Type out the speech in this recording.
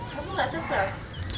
kamu gak sesak